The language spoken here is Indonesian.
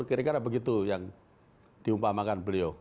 kira kira begitu yang diumpamakan beliau